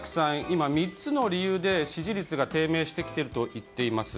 今３つの理由で支持率が低迷しているといいます。